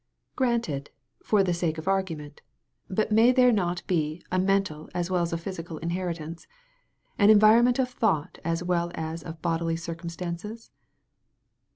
"Granted, for the sake of argument. But may there not be a mental as well as a physical inheri tance, an environment of thought as well as of bodily circumstances